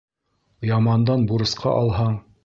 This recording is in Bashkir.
Ямандан бурысҡа алһаң